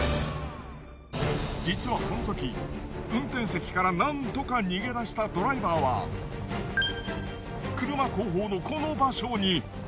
実はこの時運転席からなんとか逃げ出したドライバーは車後方のこの場所に。